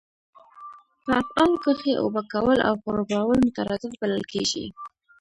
په افعالو کښي اوبه کول او خړوبول مترادف بلل کیږي.